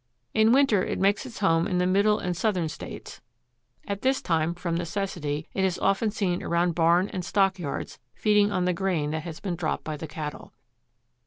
In winter it makes its home in the Middle and Southern States. At this time, from necessity, it is often seen around barn and stock yards, feeding on the grain that has been dropped by the cattle.